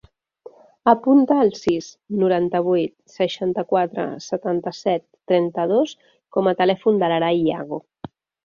Apunta el sis, noranta-vuit, seixanta-quatre, setanta-set, trenta-dos com a telèfon de l'Aray Yago.